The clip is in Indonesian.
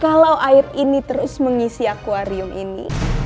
kalau air ini terus mengisi akwarium ini